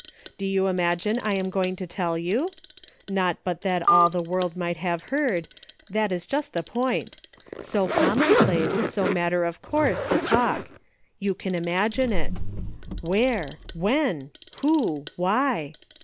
Do you imagine I am going to tell you ? Not but that all the world might have heard, that is just the point ; so commonplace, so matter of course, the talk ; you can imagine it : "Where.?" "When.?" "Who.?" "Why.?"